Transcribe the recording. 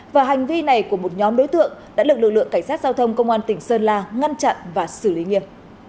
và hành vi này của một nhóm đối tượng đã được lực lượng cảnh sát giao thông công an tỉnh sơn la ngăn chặn và xử lý nghiệp